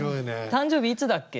「誕生日いつだっけ？」